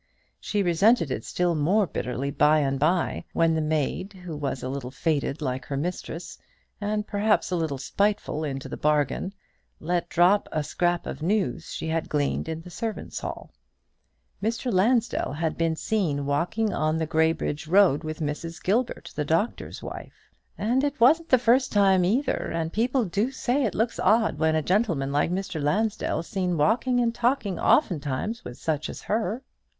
She resented it still more bitterly by and by, when the maid, who was a little faded like her mistress, and perhaps a little spiteful into the bargain, let drop a scrap of news she had gleaned in the servants' hall. Mr. Lansdell had been seen walking on the Graybridge road with Mrs. Gilbert, the doctor's wife; "and it wasn't the first time either; and people do say it looks odd when a gentleman like Mr. Lansdell is seen walking and talking oftentimes with such as her."